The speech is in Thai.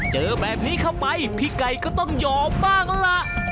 เจอแบบนี้ทำไมพี่ไก่ก็ต้องยอมบ้างล่ะ